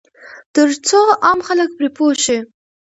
ترڅو عام خلک پرې پوه شي.